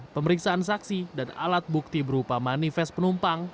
pemeriksaan saksi dan alat bukti berupa manifest penumpang